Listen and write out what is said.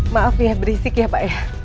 maaf ya berisik ya pak ya